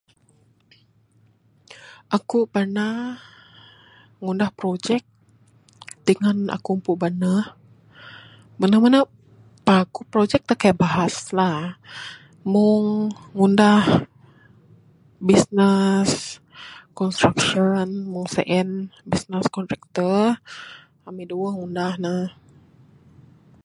Akuk pernah ngundah projek dengan akuk mpuk banuh, Menu menu paguh projek da kaik bahas lah. Mung ngundah bisness, construction, mong sien bisness kontraktor. Amik duwuh ngundah ne.